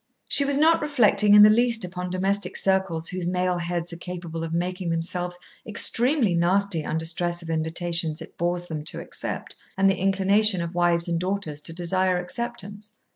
She was not reflecting in the least upon domestic circles whose male heads are capable of making themselves extremely nasty under stress of invitations it bores them to accept, and the inclination of wives and daughters to desire acceptance.